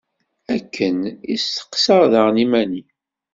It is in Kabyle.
Akken i steqsaɣ daɣen iman-iw.